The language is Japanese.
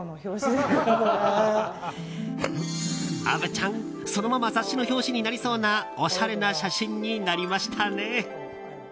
虻ちゃん、そのまま雑誌の表紙になりそうなおしゃれな写真になりましたね。